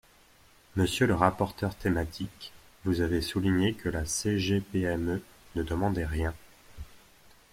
Monsieur le rapporteur thématique, vous avez souligné que la CGPME ne demandait rien.